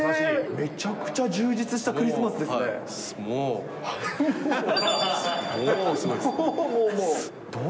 めちゃくちゃ充実したクリスはい、もう。